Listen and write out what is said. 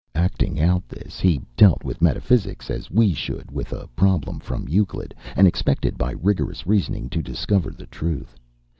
Acting out this, he dealt with metaphysics as we should with a problem from Euclid, and expected by rigorous reasoning to discover the truth.